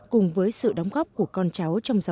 cùng với sự đóng góp của các đồng chí